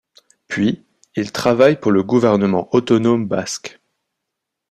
Puis, il travaille pour le gouvernement autonome basque.